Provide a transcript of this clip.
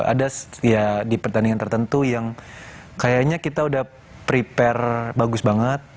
ada ya di pertandingan tertentu yang kayaknya kita udah prepare bagus banget